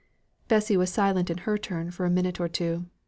Bessy was silent in her turn for a minute or two.